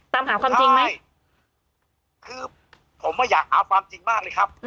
ตามหาความจริงไหมคือผมว่าอยากหาความจริงมากเลยครับ